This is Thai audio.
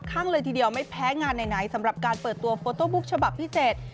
ข้างเลยทีเดียวไม่แพ้งานไหนสำหรับการเปิดตัวโฟโต้บุ๊กฉบับพิเศษ